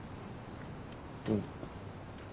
うん。